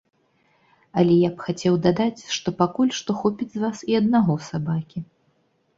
Але я б хацеў дадаць, што пакуль што хопіць з вас і аднаго сабакі.